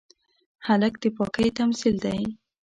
هلک د پاکۍ تمثیل دی.